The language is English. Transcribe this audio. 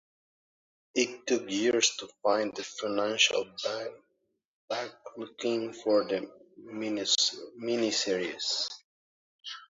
It took years to find the financial backing for the miniseries.